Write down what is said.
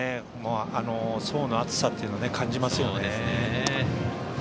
層の厚さというのを感じますよね。